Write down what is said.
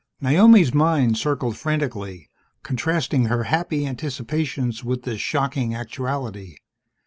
Naomi's mind circled frantically, contrasting her happy anticipations with this shocking actuality.